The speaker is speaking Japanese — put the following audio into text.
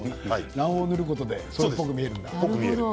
卵黄を塗ることでそれっぽく見えるんだ。